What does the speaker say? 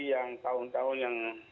yang tahun tahun yang